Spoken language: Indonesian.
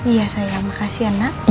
iya saya terima kasih anak